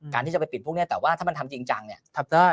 ที่จะไปปิดพวกนี้แต่ว่าถ้ามันทำจริงจังเนี่ยทำได้